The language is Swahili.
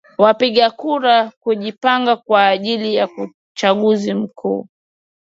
kwa wapiga kura kujipanga kwa ajili ya uchaguzi mkuu